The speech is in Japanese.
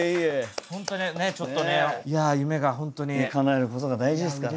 本当にねちょっとねかなえることが大事ですから。